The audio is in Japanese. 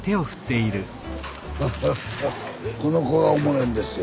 この子はおもろいんですよ。